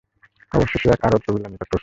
অবশেষে এক আরব কবীলার নিকট পৌঁছলেন।